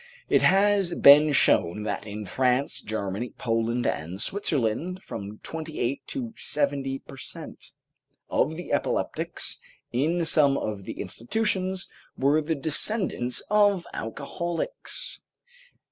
It has been shown that in France, Germany, Poland and Switzerland, from twenty eight to seventy per cent. of the epileptics in some of the institutions were the descendants of alcoholics.